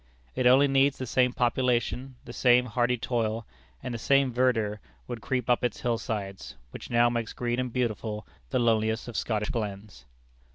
It only needs the same population, the same hardy toil: and the same verdure would creep up its hill sides, which now makes green and beautiful the loneliest of Scottish glens.